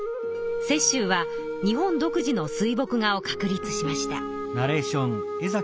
雪舟は日本独自の水墨画を確立しました。